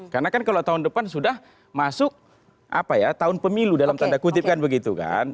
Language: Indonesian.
karena kan kalau tahun depan sudah masuk tahun pemilu dalam tanda kutip kan begitu